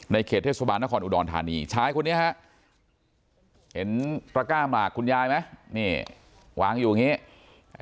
เขตเทศบาลนครอุดรธานีชายคนนี้ฮะเห็นตระก้าหมากคุณยายไหมนี่วางอยู่อย่างนี้